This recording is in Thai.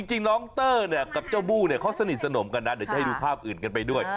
จริงน้องเตอร์เนี่ยกับเจ้าบู้เนี่ยเขาสนิทสนมกันนะเดี๋ยวจะให้ดูภาพอื่นกันไปด้วย